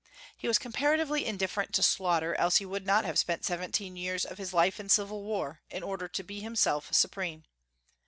He was comparatively indifferent to slaughter, else he would not have spent seventeen years of his life in civil war, in order to be himself supreme.